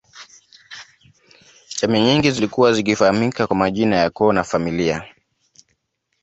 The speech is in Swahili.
Jamii nyingi zilikuwa zikifahamika kwa majina ya Koo na familia